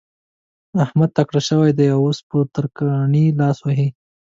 احمد تکړه شوی دی؛ اوس په ترکاڼي لاس وهي.